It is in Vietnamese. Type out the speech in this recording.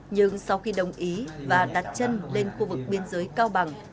nhưng sau khi đồng ý và đặt chân lên khu vực biên giới cao bằng